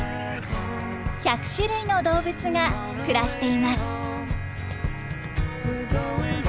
１００種類の動物が暮らしています。